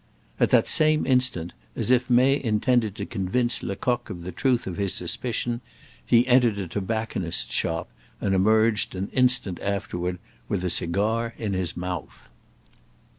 At that same instant, as if May intended to convince Lecoq of the truth of his suspicion, he entered a tobacconist's shop and emerged an instant afterward with a cigar in his mouth.